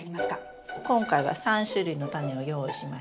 今回は３種類のタネを用意しました。